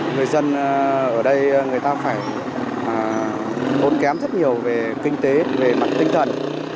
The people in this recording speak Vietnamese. người dân ở đây người ta phải tốn kém rất nhiều về kinh tế về mặt tinh thần